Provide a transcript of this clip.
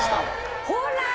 ほら！